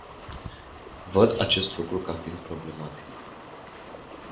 Văd acest lucru ca fiind problematic.